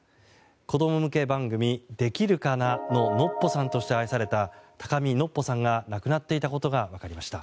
子供向け番組「できるかな」のノッポさんとして愛された高見のっぽさんが亡くなっていたことが分かりました。